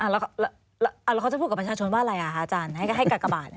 แล้วเขาจะพูดกับประชาชนว่าอะไรคะอาจารย์ให้กากบาท